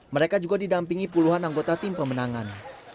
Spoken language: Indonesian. mereka juga didampingi puluhan anggota tim pemenangan